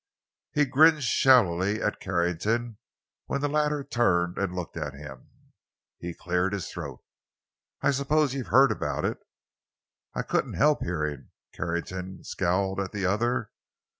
He grinned shallowly at Carrington when the latter turned and looked at him. He cleared his throat. "I suppose you've heard about it?" "I couldn't help hearing." Carrington scowled at the other.